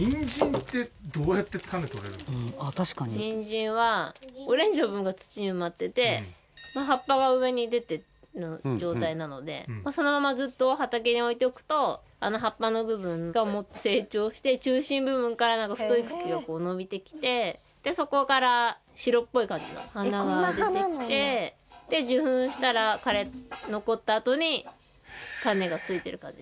ニンジンはオレンジの部分が土に埋まってて葉っぱが上に出てる状態なのでそのままずっと畑に置いておくとあの葉っぱの部分がもっと成長して中心部分から太い茎が伸びてきてそこから白っぽい感じの花が出てきてで受粉したら枯れ残ったあとに種がついてる感じ。